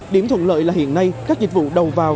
điểm thuận lợi là hiện nay các dịch vụ đầu vào